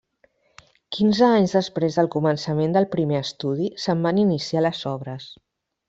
Quinze anys després del començament del primer estudi, se'n van iniciar les obres.